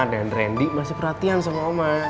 dan randy masih perhatian sama oma